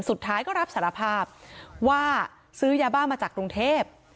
สุดท้ายก็รับสารภาพว่าซื้อยาบ้ามาจากกรุงเทพ